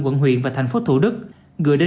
quận huyện và thành phố thủ đức gửi đến